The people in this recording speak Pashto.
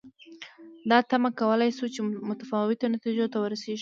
دا تمه کولای شو چې متفاوتو نتیجو ته ورسېږو.